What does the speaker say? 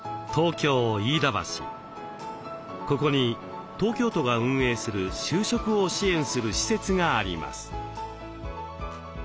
ここに東京都が運営する就職を支援する施設があります。